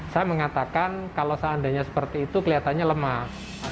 saya mengatakan kalau seandainya seperti itu kelihatannya lemah